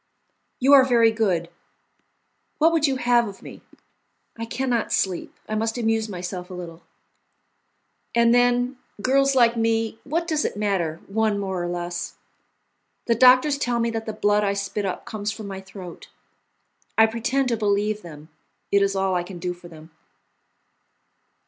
"You are very good! What would you have of me? I can not sleep. I must amuse myself a little. And then, girls like me, what does it matter, one more or less? The doctors tell me that the blood I spit up comes from my throat; I pretend to believe them; it is all I can do for them."